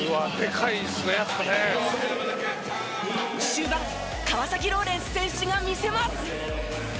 終盤川崎ローレンス選手が魅せます！